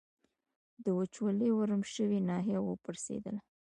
د وچولې ورم شوې ناحیه و پړسېدل.